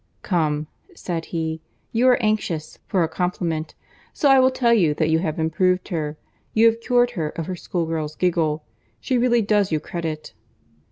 "Come," said he, "you are anxious for a compliment, so I will tell you that you have improved her. You have cured her of her school girl's giggle; she really does you credit."